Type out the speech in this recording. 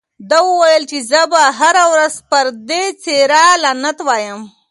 ده وویل چې زه به هره ورځ پر دې څېره لعنت وایم.